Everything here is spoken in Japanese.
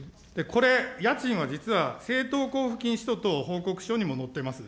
これ、家賃は実は、政党交付金使途等報告書にも載ってます。